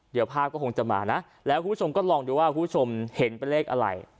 เดี๋ยวภาพก็คงจะมานะแล้วคุณผู้ชมก็ลองดูว่าคุณผู้ชมเห็นเป็นเลขอะไร